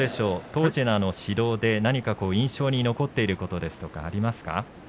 当時の指導で何か印象に残っていることですとか、ありますか？